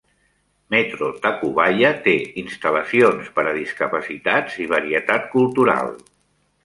Metro Tacubaya té instal·lacions per a discapacitats i varietat cultural.